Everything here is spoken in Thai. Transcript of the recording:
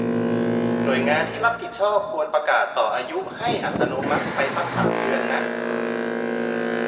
หน่วยงานที่รับผิดชอบควรประกาศต่ออายุให้อัตโนมัติไปสักสามเดือนนะ